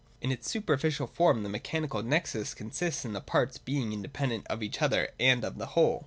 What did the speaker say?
In its superficial form the mechanical nexus consists in the parts being inde pendent of each other and of the whole.